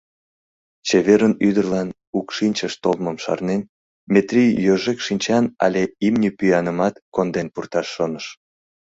Чевер ӱдырлан укшинчыш толмым шарнен, Метрий йожек шинчан але имне пӱянымат конден пурташ шоныш.